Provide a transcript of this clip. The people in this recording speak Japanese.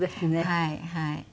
はいはい。